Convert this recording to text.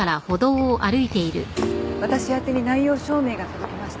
私宛てに内容証明が届きました。